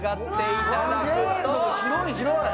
すごい、広い広い。